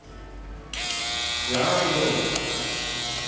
柳通り。